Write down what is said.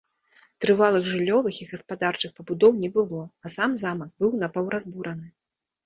Трывалых жыллёвых і гаспадарчых пабудоў не было, а сам замак быў напаўразбураны.